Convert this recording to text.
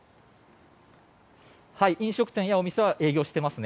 飲食店やお店は営業していますね。